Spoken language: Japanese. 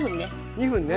２分ね。